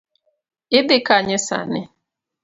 Idhi kanye sani?